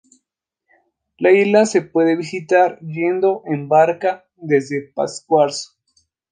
La isla se puede visitar yendo en barca desde Pátzcuaro.